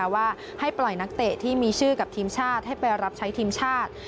ว่าให้ปล่อยนักเตะที่มีชื่อกับทีมชาติให้ไปรับใช้ทีมชาติ